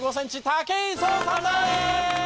武井壮さんです！